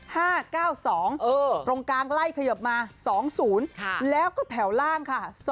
ตรงกลางไล่ขยบมา๒๐แล้วก็แถวล่างค่ะ